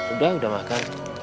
udah udah makan